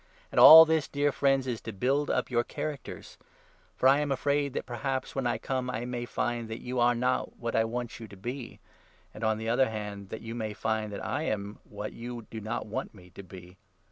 And all this, dear friends, is to build up your characters ; for I am afraid that perhaps, when I come, I may 20 find that you are not what I want you to be, and, on the other hand, that you may find that I am what you do not want me to be.